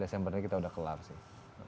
desembernya kita udah kelar sih